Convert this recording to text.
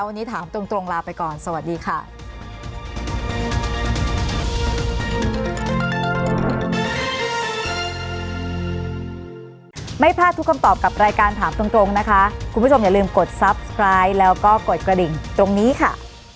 วันนี้ถามตรงลาไปก่อนสวัสดีค่ะ